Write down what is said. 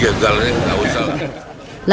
tidak usah lah